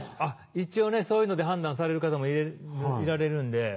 一応ねそういうので判断される方もいられるんで。